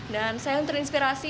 dan saya terinspirasi